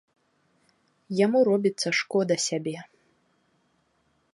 Яму робіцца шкода сябе.